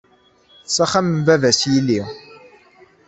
S axxam n baba-s yili.